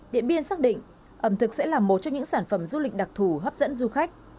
điện biên xác định ẩm thực sẽ là một trong những sản phẩm du lịch đặc thù hấp dẫn du khách